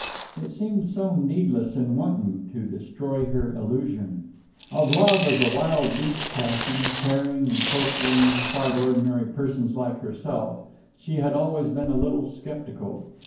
It seemed so needless and wanton to destroy her illusion. Of love as a wild beast passion, tearing and torturing quite ordinary persons like herself, she had always been a little sceptical.